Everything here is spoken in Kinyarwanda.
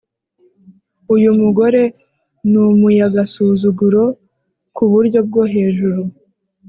Uyumugore numuyagasusuguro kuburyo bwohejuru